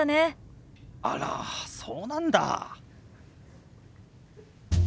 あらそうなんだ。